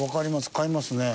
買いますね。